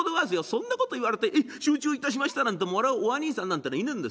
そんなこと言われてええ承知をいたしましたなんてもらうおあにいさんなんてのいねえんですよ。